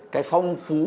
cái phong phú